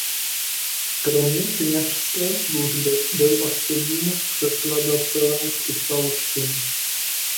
Kromě kněžské služby byl aktivním překladatelem z italštiny.